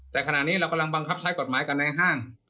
แต่ขณะนี้เรากำลังบังคับใช้กฎหมายกันในห้าง